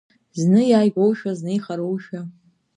Зны иааигәоушәа, зны ихароушәа…